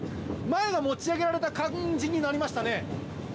前が持ち上げられた感じになりましたね。